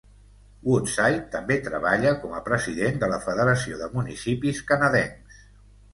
Woodside també treballa com a president de la Federació de Municipis Canadencs.